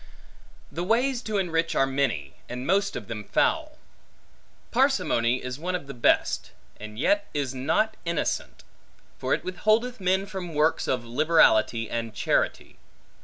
The ways to enrich are many, and most of them foul. Parsimony is one of the best, and yet is not innocent; for it withholdeth men from works of liberality and charity.